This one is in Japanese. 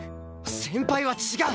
先輩は違う！